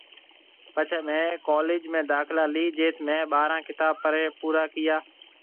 پڇي مهيَ ڪولِيج ۾ داکلا لِي جٿ مهيَ ٻاره ڪتاب پڙهيَ پورا ڪيا۔